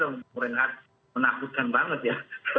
orang orang menakutkan banget ya